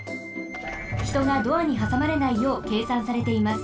ひとがドアにはさまれないようけいさんされています。